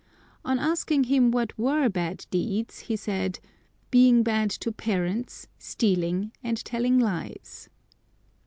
On asking him what were bad deeds, he said, "Being bad to parents, stealing, and telling lies."